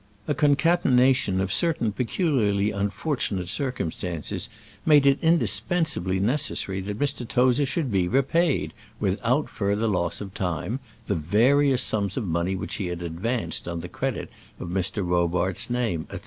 A concatenation of certain peculiarly unfortunate circumstances made it indispensably necessary that Mr. Tozer should be repaid, without further loss of time, the various sums of money which he had advanced on the credit of Mr. Robarts's name, &c.